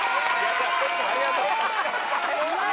ありがとう！